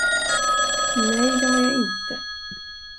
Nej, det har jag inte.